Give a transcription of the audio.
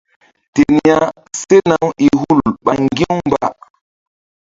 Ten ya sena-u i hul ɓa ŋgi̧-u mba.